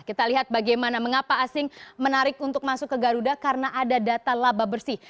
kita lihat bagaimana mengapa asing menarik untuk masuk ke garuda karena ada data laba bersih